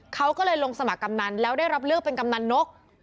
เขาก็เลยลงสมัครกำนันแล้วได้รับเลือกเป็นกำนันนก